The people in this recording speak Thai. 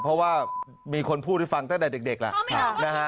เพราะว่ามีคนพูดให้ฟังตั้งแต่เด็กแล้วนะฮะ